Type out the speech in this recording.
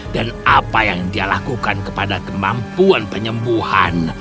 apa yang dia lakukan kepada kemampuan penyembuhan